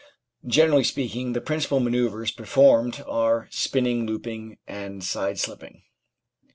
Gen erally speaking, the principal manoeuvres performed are spin ning, looping, and side slipping.